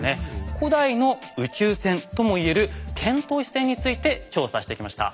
古代の宇宙船とも言える遣唐使船について調査してきました。